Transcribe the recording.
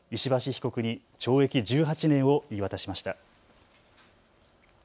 被告に懲役１８年を言い渡しました。